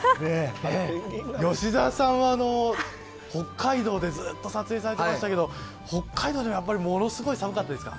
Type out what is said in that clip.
吉沢さんは北海道でずっと撮影されてましたけど北海道はものすごく寒かったですか。